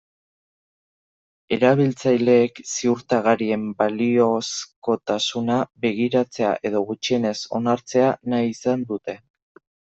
Erabiltzaileek ziurtagirien baliozkotasuna begiratzea edo, gutxienez, onartzea nahi izan dute.